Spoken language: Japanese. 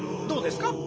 どうですか？